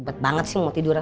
gede banget sih mau tiduran